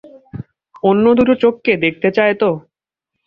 অন্য দুটো চোখকে দেখতে চায় তো?